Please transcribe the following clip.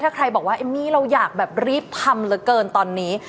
ถ้าใครบอกว่าเอมมี่เราอยากแบบรีบทำเหลือเกินตอนนี้